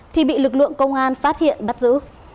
thì bị lực lượng công an phát hiện bắt giữ